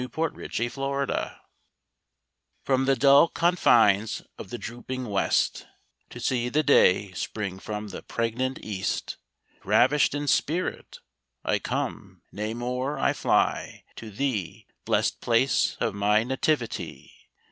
51. HIS RETURN TO LONDON From the dull confines of the drooping west, To see the day spring from the pregnant east, Ravish'd in spirit, I come, nay more, I fly To thee, blest place of my nativity!